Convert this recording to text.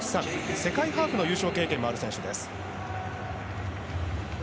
世界ハーフの優勝経験もある選手です。